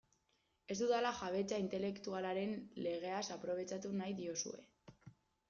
Ez dudala jabetza intelektualaren legeaz aprobetxatu nahi diozue.